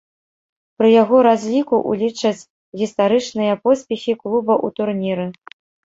Пры яго разліку улічаць гістарычныя поспехі клуба ў турніры.